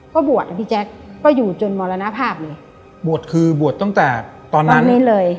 ก็บวชอ่ะพี่แจ๊คก็อยู่จนมรณภาพเลยบวชคือบวชตั้งแต่ตอนนั้นเลย